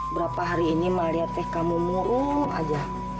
berapa hari ini mah lihat teh kamu murung aja